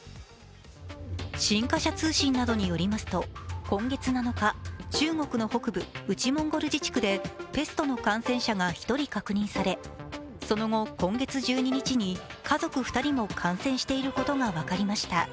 新華社通信などによりますと今月７日、中国の北部、内モンゴル自治区でペストの感染者が１人確認され、その後、今月１２日に家族２人も感染していることが分かりました。